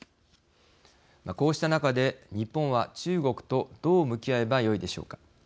こうした中で日本は、中国とどう向き合えばよいでしょうか。